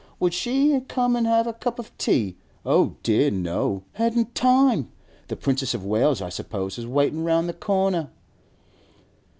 Would she come an' have a cup of tea? Oh dear, no! Hadn't time! The Princess of Wales, I suppose, was waitin' round the corner!